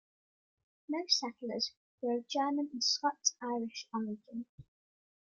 Most settlers were of German and Scots-Irish origin.